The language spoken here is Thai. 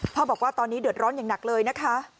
บอกว่าตอนนี้เดือดร้อนอย่างหนักเลยนะคะ